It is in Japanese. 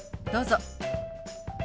どうぞ。